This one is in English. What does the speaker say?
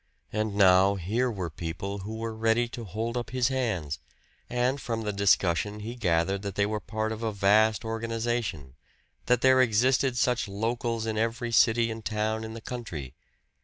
And now here were people who were ready to hold up his hands; and from the discussion he gathered that they were part of a vast organization, that there existed such "locals" in every city and town in the country.